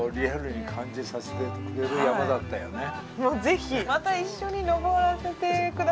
ぜひまた一緒に登らせて下さい。